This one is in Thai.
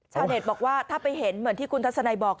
เน็ตบอกว่าถ้าไปเห็นเหมือนที่คุณทัศนัยบอก